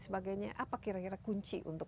sebagainya apa kira kira kunci untuk